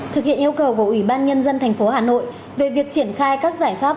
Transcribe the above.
thực hiện yêu cầu của ủy ban nhân dân tp hà nội về việc triển khai các giải pháp